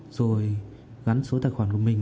rồi gắn số tài khoản của mình